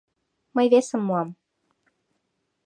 Мый весым муам.